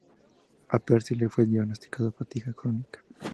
A Percy le fue diagnosticado fatiga crónica.